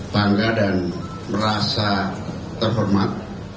bangga dan merasa terhormat